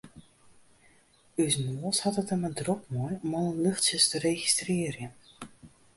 Us noas hat it der mar drok mei om alle luchtsjes te registrearjen.